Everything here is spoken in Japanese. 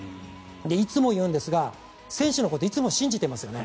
いつも言うんですが選手のことをいつも信じてますよね。